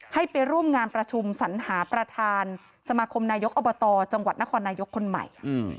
ให้ไปร่วมงานประชุมสัญหาประธานสมาคมนายกอบตจังหวัดนครนายกคนใหม่